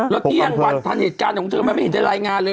แล้วเที่ยงวันทันเหตุการณ์ของเธอมันไม่เห็นได้รายงานเลย